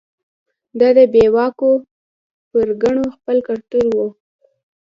دا د بې واکو پرګنو خپل کلتور و.